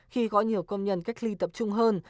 khi có nhiều công nhân cách ly tập trung hơn